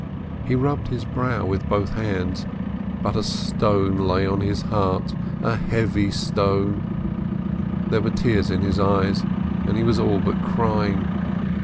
He rubbed his brow with both hands, but a stone lay on his heart, a heavy stone; there were tears in his eyes, and he was all but crying.